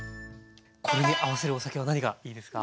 これに合わせるお酒は何がいいですか？